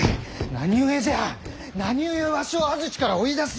何故じゃ何故わしを安土から追い出す！